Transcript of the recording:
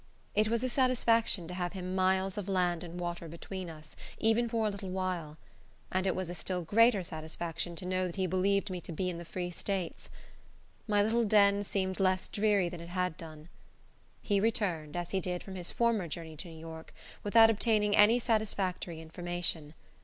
It was a satisfaction to have miles of land and water between us, even for a little while; and it was a still greater satisfaction to know that he believed me to be in the Free States. My little den seemed less dreary than it had done. He returned, as he did from his former journey to New York, without obtaining any satisfactory information.